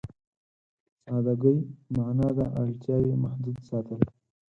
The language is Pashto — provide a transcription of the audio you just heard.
سادهګي معنا ده اړتياوې محدود ساتل.